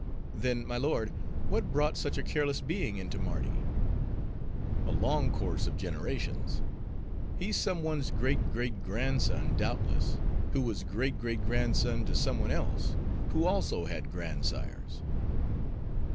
"Then, my lord, what brought such a careless being into Mardi?" "A long course of generations. He's some one's great great grandson, doubtless; who was great great grandson to some one else; who also had grandsires."